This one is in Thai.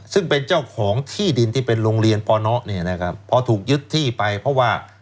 ซึ่งเป็นเจ้าของที่ดินที่เป็นโรงเรียนปนเนี่ยนะครับพอถูกยึดที่ไปเพราะว่า